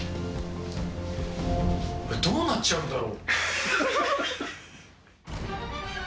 俺、どうなっちゃうんだろう？